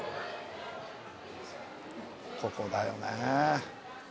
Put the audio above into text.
ここだよね。